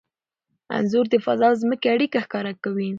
انځور د فضا او ځمکې اړیکه ښکاره کوي.